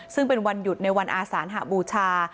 ซึ่งเป็นวันหยุดในวันอาสานหบูชา